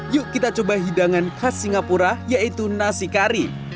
yuk kita coba hidangan khas singapura yaitu nasi kari